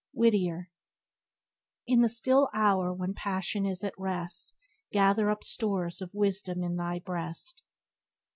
— Whittier. "In the still hour when passion is at rest Gather up stores of wisdom in thy breast."